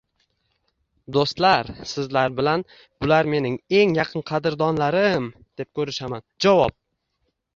Do‘stlar sizlar bilan "bular mening eng yaqin qadrdonlariiiiiim" deb ko‘rishaman, jovvob